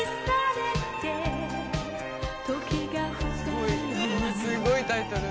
すごいすごいタイトル。